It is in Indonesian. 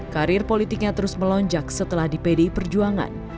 karir politiknya terus melonjak setelah di pdi perjuangan